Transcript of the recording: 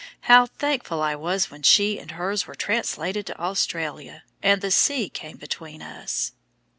How thankful I was when she and hers were translated to Australia, and the sea came between us!